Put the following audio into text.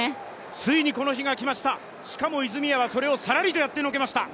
ついにこの日が来ました、しかも泉谷はそれをさらりとやってのけました。